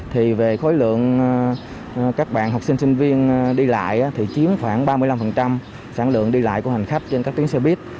thì về khối lượng các bạn học sinh sinh viên đi lại thì chiếm khoảng ba mươi năm sản lượng đi lại của hành khách trên các tuyến xe buýt